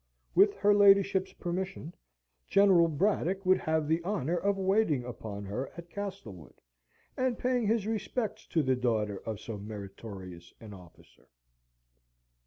With her ladyship's permission, General Braddock would have the honour of waiting upon her at Castlewood, and paying his respects to the daughter of so meritorious an officer.